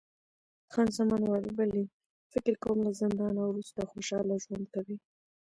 خان زمان وویل، بلی، فکر کوم له زندانه وروسته خوشحاله ژوند کوي.